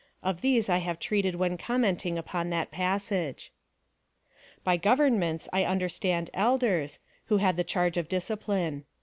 Of these I have treated when commenting upon that passage. By Oovernments I understand Elders, who had the charge of discipline.